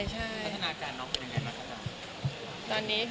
พัฒนาการน้องเป็นยังไงบ้าง